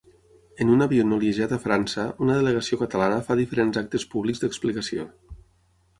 En un avió noliejat a França, una delegació catalana fa diferents actes públics d'explicació.